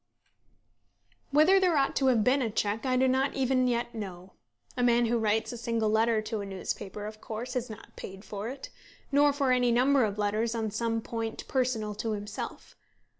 Whether there ought to have been a cheque I do not even yet know. A man who writes a single letter to a newspaper of course is not paid for it, nor for any number of letters on some point personal to himself.